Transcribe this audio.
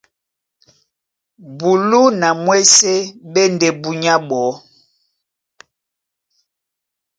Bulú na mwésé ɓá e ndé búnyá ɓɔɔ́.